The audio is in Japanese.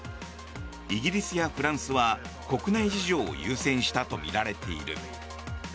イギリスやフランスは国内事情を優先したとみられている。